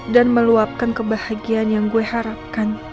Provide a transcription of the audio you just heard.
dan meluapkan kebahagiaan yang gue harapkan